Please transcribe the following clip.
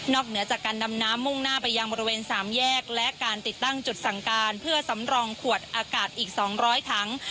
เหนือจากการดำน้ำมุ่งหน้าไปยังบริเวณ๓แยกและการติดตั้งจุดสั่งการเพื่อสำรองขวดอากาศอีก๒๐๐ถัง